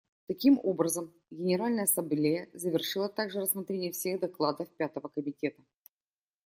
Таким образом, Генеральная Ассамблея завершила также рассмотрение всех докладов Пятого комитета.